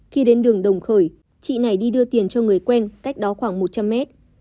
khi đến đường đồng khởi chị này đi đưa tiền cho người quen cách đó khoảng một trăm linh mét